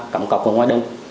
cắm cọc vào ngoài đông